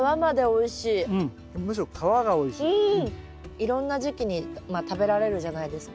いろんな時期に食べられるじゃないですか。